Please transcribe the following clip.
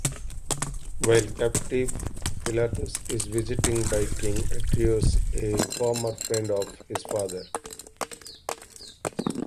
While captive, Philotas is visited by King Arideus, a former friend of his father.